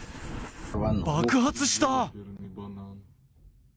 爆発した。